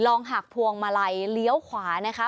หักพวงมาลัยเลี้ยวขวานะคะ